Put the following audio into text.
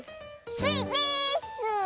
スイです！